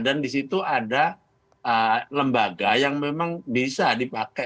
dan di situ ada lembaga yang memang bisa dipakai